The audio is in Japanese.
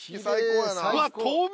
うわっ透明。